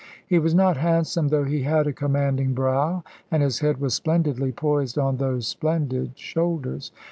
He was not handsome, though he had a commanding brow and his head was splendidly poised on those splendid shoulders.